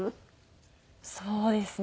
そうですね。